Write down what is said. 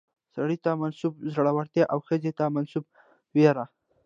سړي ته منسوبه زړورتيا او ښځې ته منسوبه ويره